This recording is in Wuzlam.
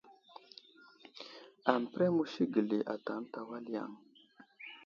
Aməpəreŋ musi gəli ata ənta wal yaŋ.